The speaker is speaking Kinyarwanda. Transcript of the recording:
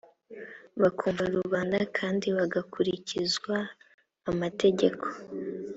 bakumva rubanda kandi hagakurikizwa amategeko